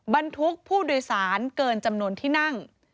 บรรทุกผู้โดยสารเกินจำนวนที่นั่ง